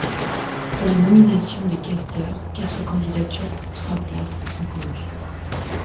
Pour la nomination des questeurs, quatre candidatures pour trois places sont connues.